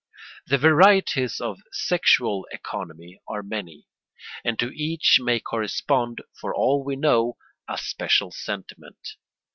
The varieties of sexual economy are many and to each may correspond, for all we know, a special sentiment.